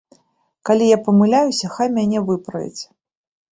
Калі я памыляюся, хай мяне выправяць.